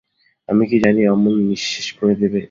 আমি কি জানি অমন নিঃশেষ করে দেবে?